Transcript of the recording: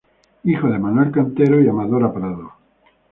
Hijo de Manuel Cantero y Amadora Prado.